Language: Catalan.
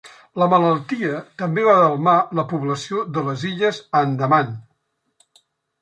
La malaltia també va delmar la població de les illes Andaman.